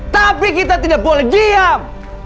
tapi kita tidak boleh diam